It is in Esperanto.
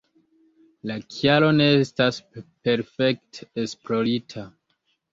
La kialo ne estas perfekte esplorita.